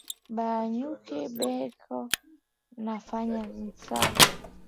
Ba nyuki beko nafanya nsari